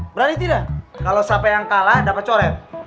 berani tidak kalau siapa yang kalah dapat coret